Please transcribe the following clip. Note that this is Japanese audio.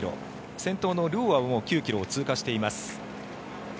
先頭のラ・アトウはもう９ｋｍを通過しています。